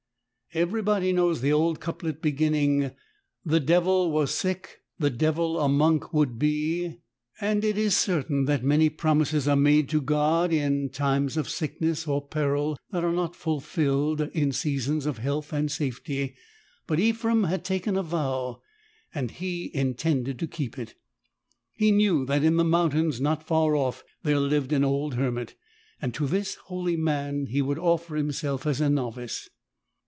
Everybody knows the old couplet beginnings — The devil was sick, the devil a monk would be ; and it is certain that many promises are made to God in time of sickness or peril that are not fulfilled in seasons of health and safety; but Ephrem had taken a vow and he in tended to keep it. He knew that in the mountains not far off there lived an old hermit : to this holy man he would offer himself as a novice.